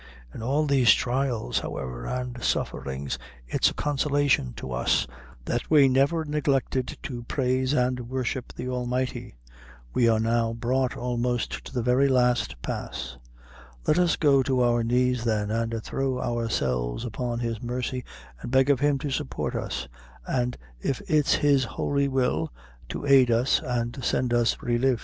In all these trials, however, and sufferings, its a consolation to us, that we never neglected to praise an' worship the Almighty we are now brought almost to the very last pass let us go to our knees, then, an' throw ourselves upon His mercy, and beg of Him to support us, an' if it's His holy will, to aid us, and send us relief."